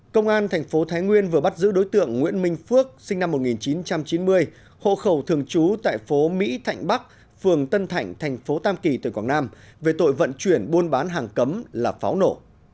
công an tp thái nguyên vừa bắt giữ đối tượng nguyễn minh phước sinh năm một nghìn chín trăm chín mươi hộ khẩu thường trú tại phố mỹ thạnh bắc phường tân thạnh tp tam kỳ tqnm về tội vận chuyển buôn bán hàng cấm là pháo nổ